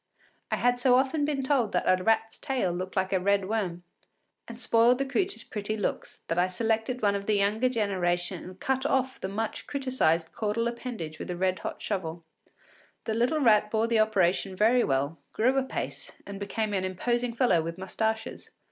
I had so often been told that a rat’s tail looked like a red worm and spoiled the creature’s pretty looks, that I selected one of the younger generation and cut off the much criticised caudal appendage with a red hot shovel. The little rat bore the operation very well, grew apace, and became an imposing fellow with mustaches.